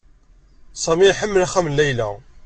Sami iḥemmel axxam n Layla.